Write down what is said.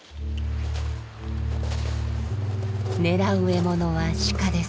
狙う獲物は鹿です。